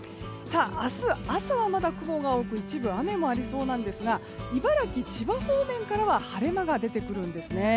明日朝はまだ雲が多く一部雨もありそうですが茨城、千葉方面からは晴れ間が出てくるんですね。